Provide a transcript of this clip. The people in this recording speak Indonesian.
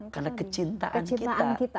karena kecintaan kita